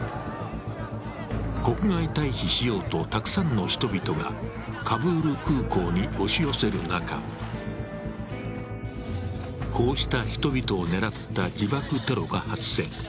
国外退避しようと、たくさんの人々がカブール空港に押し寄せる中こうした人々を狙った自爆テロが発生。